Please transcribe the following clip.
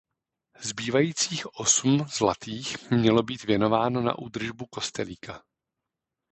Zbývajících osm zlatých mělo být věnováno na údržbu kostelíka.